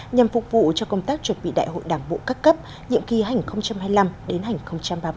nhằm phục vụ cho công tác chuẩn bị đại hội đảng bộ các cấp nhiệm kỳ hành hai mươi năm đến hành ba mươi